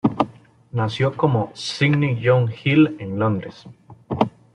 Nació como Sydney John Hill en Londres.